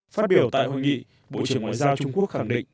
phát biểu tại hội nghị bộ trưởng ngoại giao trung quốc khẳng định